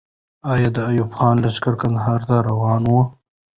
آیا د ایوب خان لښکر کندهار ته روان وو؟